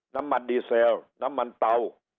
น้ำมันดีเซลน้ำมันเตา